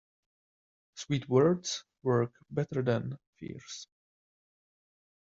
Sweet words work better than fierce.